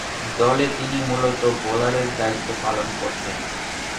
দলে তিনি মূলতঃ বোলারের দায়িত্ব পালন করতেন।